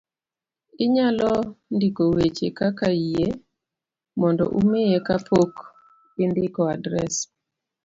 inyalo ndiko weche kaka yie mondo umiye ka pok indiko adres